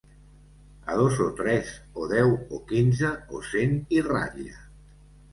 A dos o tres, o deu, o quinze, o cent i ratlla.